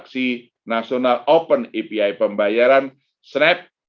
aksi national open api pembayaran snap